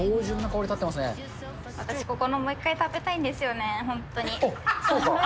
私ここのもう一回食べたいんですよね、本当に。